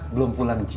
belum pulang ci